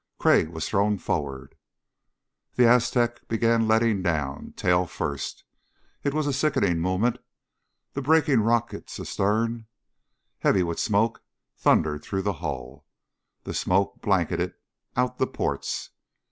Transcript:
Crag was thrown forward. The Aztec began letting down, tail first. It was a sickening moment. The braking rockets astern, heavy with smoke, thundered through the hull. The smoke blanketed out the ports.